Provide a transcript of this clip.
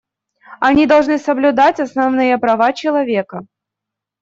Они должны соблюдать основные права человека.